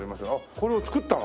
これを作ったの？